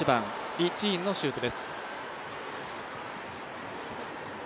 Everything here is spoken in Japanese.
リ・チインのシュートです。